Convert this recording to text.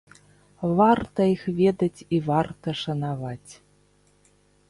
Варта іх ведаць і варта шанаваць.